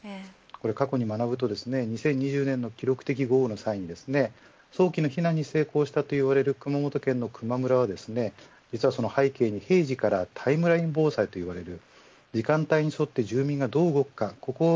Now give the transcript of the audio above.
過去に学ぶと２０２０年の記録的豪雨の際に早期の避難に成功したと言われる熊本県の球磨村は実はその背景に平時からタイムライン防災と呼ばれる時間帯に沿って住民がどう動くか、ここを